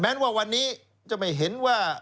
ว่าวันนี้จะไม่เห็นว่า